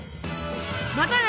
またね！